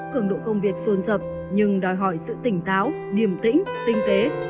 cường độ công việc xuôn dập nhưng đòi hỏi sự tỉnh táo điểm tĩnh tinh tế